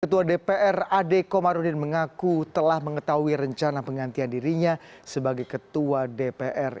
ketua dpr ade komarudin mengaku telah mengetahui rencana penggantian dirinya sebagai ketua dpr